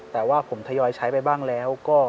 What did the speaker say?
แต่ว่าผมทยอยใช้ไปบ้างแล้วก็